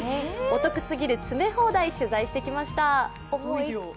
お得すぎる詰め放題取材してきました。